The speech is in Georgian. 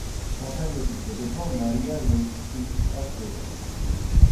საფრანგეთის დედოფალ მარია ლეშჩინსკას დედა.